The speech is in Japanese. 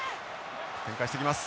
展開していきます。